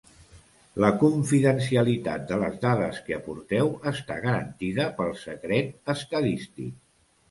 La confidencialitat de les dades que aporteu està garantida pel secret estadístic.